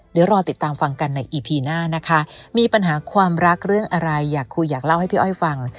เดี๋ยวรอติดตามฟังกันในอีพีหน้านะคะมีปัญหาความรักเรื่องอะไรอยากคุยอยากเล่าให้พี่อ้อยฟัง